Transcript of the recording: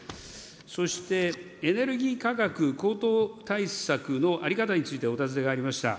そしてエネルギー価格高騰対策の在り方についてお尋ねがありました。